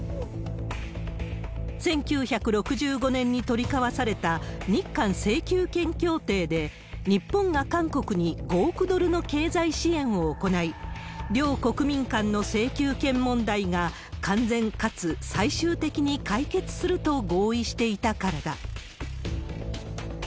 １９６５年に取り交わされた日韓請求権協定で、日本が韓国に５億ドルの経済支援を行い、両国民間の請求権問題が完全かつ最終的に解決すると合意していたからだ。